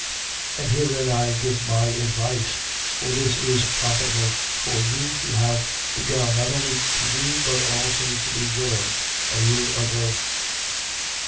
8:10. And herein I give my advice: for this is profitable for you who have begun not only to do but also to be willing, a year ago.